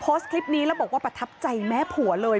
โพสต์คลิปนี้แล้วบอกว่าประทับใจแม่ผัวเลย